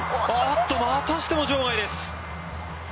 おっと、またしても場外です。